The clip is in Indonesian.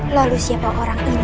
lalu siapa orang ini